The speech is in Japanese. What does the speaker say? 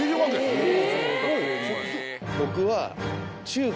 僕は。